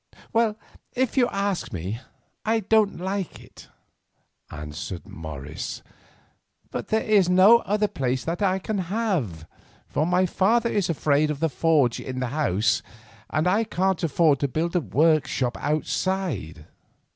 "Well, if you ask, I don't like it," answered Morris. "But there is no other place that I can have, for my father is afraid of the forge in the house, and I can't afford to build a workshop outside."